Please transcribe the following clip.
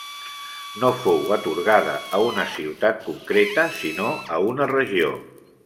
No fou atorgada a una ciutat concreta sinó a una regió.